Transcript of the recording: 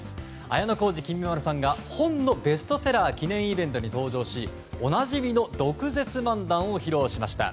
綾小路きみまろさんが本のベストセラー記念イベントに登場し、おなじみの毒舌漫談を披露しました。